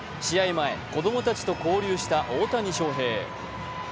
前、子供たちと交流した大谷翔平。